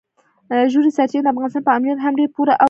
ژورې سرچینې د افغانستان په امنیت هم ډېر پوره او لوی اغېز لري.